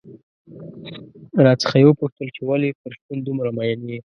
راڅخه یې وپوښتل چې ولې پر شپون دومره مين يې؟